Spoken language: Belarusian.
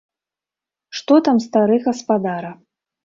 Што там стары гаспадара.